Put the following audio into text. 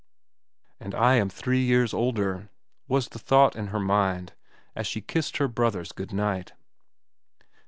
And I am three years older, was the thought in her mind as she kissed her brothers goodnight.